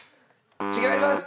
違います。